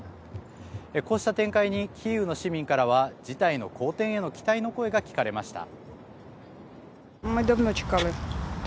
こうした展開にキーウの市民からは事態の好転への期待の声が聞かれました。